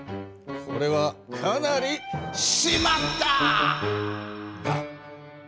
これはかなり「しまった！」だ。